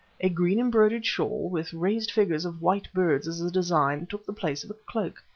A green embroidered shawl, with raised figures of white birds as a design, took the place of a cloak.